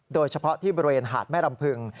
โดยเฉพาะที่บริเวณหาดแม่รำพึง